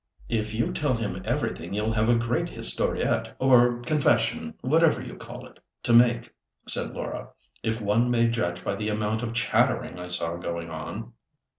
"If you tell him everything you'll have a great historiette, or confession, whatever you call it, to make," said Laura, "if one may judge by the amount of chattering I saw going on.